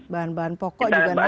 bahan bahan pokok juga naik